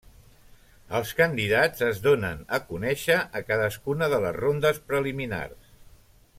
Els candidats es donen a conèixer a cadascuna de les rondes preliminars.